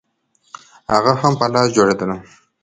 هغه هم په لاس جوړېدل